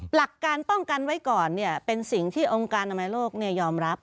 หลักการป้องกันไว้ก่อนเป็นสิ่งที่องค์การอนามัยโลกยอมรับ